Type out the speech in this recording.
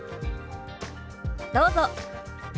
どうぞ。